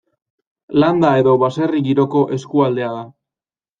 Landa edo baserri giroko eskualdea da.